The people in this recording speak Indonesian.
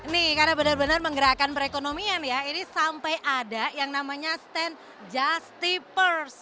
nih karena benar benar menggerakkan perekonomian ya ini sampai ada yang namanya stand justi pers